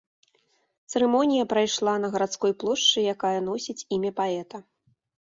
Цырымонія прайшла на гарадской плошчы, якая носіць імя паэта.